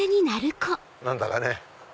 何だかね。